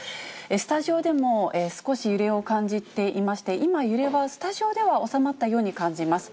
スタジオでも少し揺れを感じていまして、今、揺れは、スタジオでは収まったように感じます。